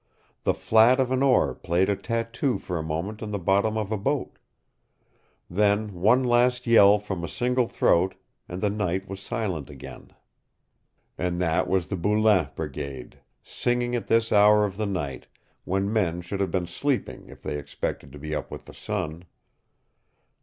The flat of an oar played a tattoo for a moment on the bottom of a boat. Then one last yell from a single throat and the night was silent again. And that was the Boulain Brigade singing at this hour of the night, when men should have been sleeping if they expected to be up with the sun.